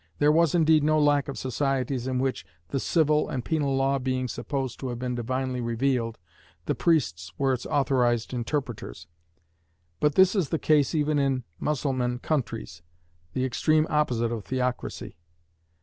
There was indeed no lack of societies in which, the civil and penal law being supposed to have been divinely revealed, the priests were its authorized interpreters. But this is the case even in Mussulman countries, the extreme opposite of theocracy.